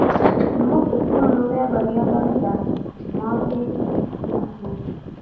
زموږ تر ټولو لویه بریا دا نه ده چې ماتې نه خورو.